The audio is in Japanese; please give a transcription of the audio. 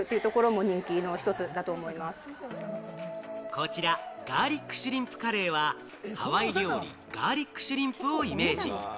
こちら、ガーリックシュリンプカレーはハワイ料理・ガーリックシュリンプをイメージ。